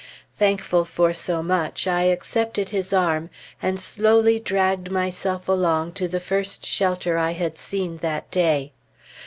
Thankful for so much, I accepted his arm and slowly dragged myself along to the first shelter I had seen that day.